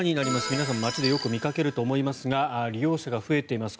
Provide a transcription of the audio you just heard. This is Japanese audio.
皆さん街でよく見かけると思いますが利用者が増えています